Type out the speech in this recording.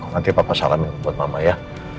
nanti papa salamin buat mama ya